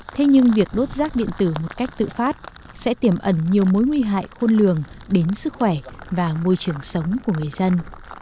thế nhưng việc đốt rác điện tử một cách tự phát sẽ tiềm ẩn nhiều mối nguy hại khôn lường đến sức khỏe và môi trường sống của người dân